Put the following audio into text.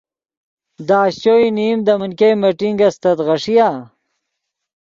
دے اشچو یو نیم دے من ګئے میٹنگ استت غیݰیآ۔